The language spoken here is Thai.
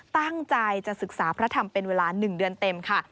ตั้งใจจะศึกษาพระธรรมเป็นเวลา๑เดือนเต็มค่ะ